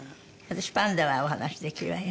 私パンダはお話しできるわよ。